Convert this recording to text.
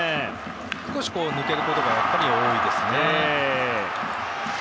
少し抜けることが多いですね。